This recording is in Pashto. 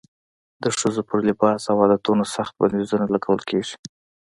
د ښځو پر لباس او عادتونو سخت بندیزونه لګول کېږي.